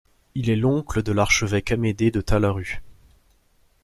Il est l'oncle de l'archevêque Amédée de Talaru.